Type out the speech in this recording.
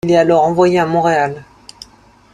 Il est alors envoyé à Montréal.